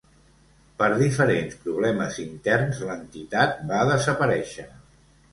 Per diferents problemes interns l'entitat va desaparèixer.